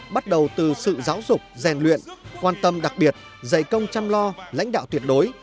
bắt đầu từ sự giáo dục rèn luyện quan tâm đặc biệt dạy công chăm lo lãnh đạo tuyệt đối